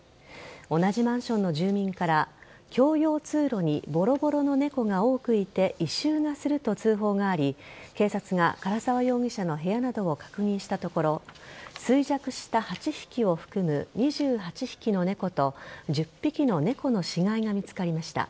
同じマンションの住民から共用通路にボロボロの猫が多くいて異臭がすると通報があり警察が唐沢容疑者の部屋などを確認したところ衰弱した８匹を含む２８匹の猫と１０匹の猫の死骸が見つかりました。